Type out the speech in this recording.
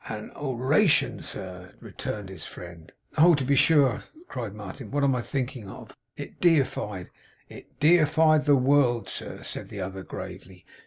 'An o ration, sir,' returned his friend. 'Oh! to be sure,' cried Martin. 'What am I thinking of! It defied ' 'It defied the world, sir,' said the other, gravely.